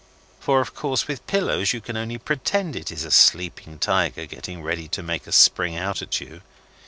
For of course with pillows you can only pretend it is a sleeping tiger getting ready to make a spring out at you.